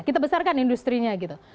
kita besarkan industri nya gitu